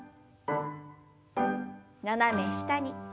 斜め下に。